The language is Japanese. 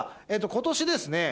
今年ですね